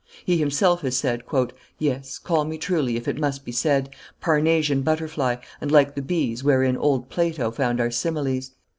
He himself has said, "Yes, call me truly, if it must be said, Parnassian butterfly, and like the bees Wherein old Plato found our similes.